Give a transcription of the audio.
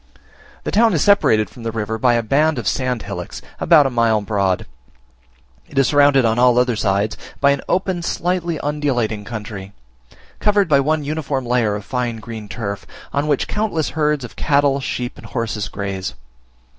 The town is separated from the river by a band of sand hillocks, about a mile broad: it is surrounded, on all other sides, by an open slightly undulating country, covered by one uniform layer of fine green turf, on which countless herds of cattle, sheep, and horses graze.